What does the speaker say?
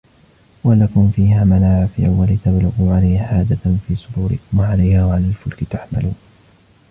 وَلَكُمْ فِيهَا مَنَافِعُ وَلِتَبْلُغُوا عَلَيْهَا حَاجَةً فِي صُدُورِكُمْ وَعَلَيْهَا وَعَلَى الْفُلْكِ تُحْمَلُونَ